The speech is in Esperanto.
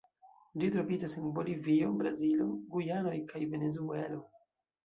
Ĝi troviĝas en Bolivio, Brazilo, Gujanoj kaj Venezuelo.